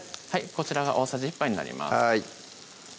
こちらが大さじ１杯になります